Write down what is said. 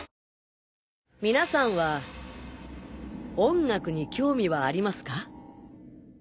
皆さんは音楽に興味はありますか？